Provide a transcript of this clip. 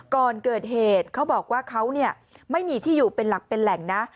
ก่อนเกิดเหตุเขาบอกว่าเขาไม่มีที่อยู่เป็นหลักเป็นแหล่งนะ